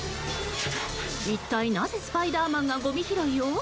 一体なぜスパイダーマンがごみ拾いを？